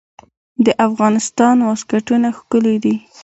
د افغانستان واسکټونه ښکلي دي